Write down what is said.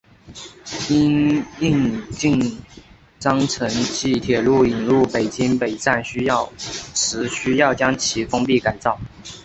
因应京张城际铁路引入北京北站需要时需要将其封闭改造。